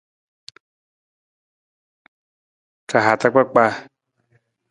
Ra hata kpakpaa.